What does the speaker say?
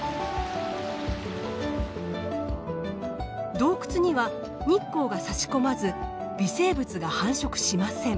洞窟には日光がさし込まず微生物が繁殖しません。